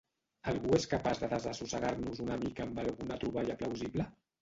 ¿Algú és capaç de desassossegar-nos una mica amb alguna troballa plausible?